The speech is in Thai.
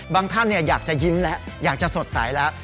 ท่านอยากจะยิ้มแล้วอยากจะสดใสแล้ว